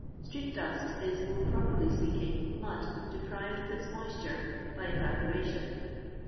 Street dnst is, more properly speaking, mud deprived of its moisture by fvapo raiion.